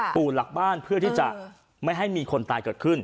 ปู่หลักบ้านเพื่อที่จะไม่ให้มีคนตายเกิดขึ้น